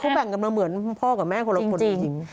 เขาแบ่งกันมาเหมือนพ่อกับแม่คนละคนผู้หญิง